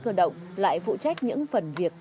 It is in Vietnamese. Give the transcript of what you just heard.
cơ động lại phụ trách những phần việc